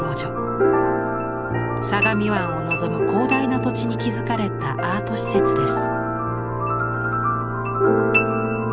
相模湾を望む広大な土地に築かれたアート施設です。